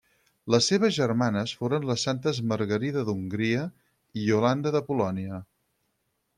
Les seves germanes foren les santes Margarida d'Hongria i Iolanda de Polònia.